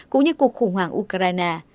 cũng như cuộc khủng hoảng ukraine